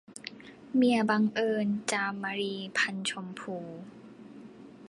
เมียบังเอิญ - จามรี พรรณชมพู